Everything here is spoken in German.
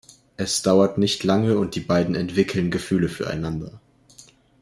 Es dauert nicht lange und die beiden entwickeln Gefühle füreinander.